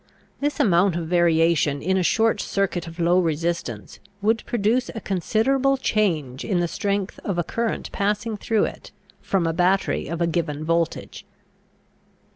This amount of variation in a short circuit of low resistance would produce a considerable change in the strength of a current passing through it from a battery of a given voltage.